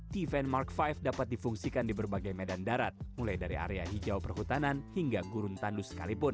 t van mark lima dapat difungsikan di berbagai medan darat mulai dari area hijau perhutanan hingga gurun tandu sekalipun